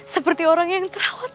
seperti orang yang terawat